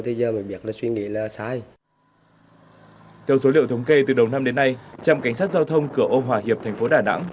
theo số liệu thống kê từ đầu năm đến nay trạm cảnh sát giao thông cửa âu hòa hiệp thành phố đà nẵng